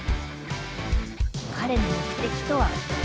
彼の目的とは？